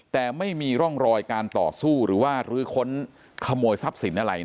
แต่ไม่มีร่องรอยการต่อสู้หรือว่ารื้อค้นขโมยทรัพย์สินอะไร